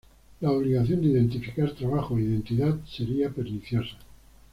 La obligación de identificar trabajo e identidad sería perniciosa.